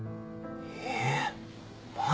えっマジか。